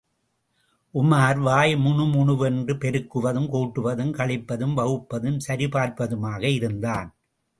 உமார் வாய் முணமுணவென்று பெருக்குவதும் கூட்டுவதும் கழிப்பதும் வகுப்பதும் சரிபார்ப்பதுமாக இருந்தான்.